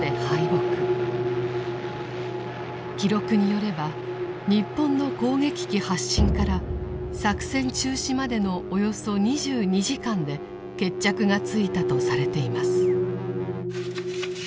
記録によれば日本の攻撃機発進から作戦中止までのおよそ２２時間で決着がついたとされています。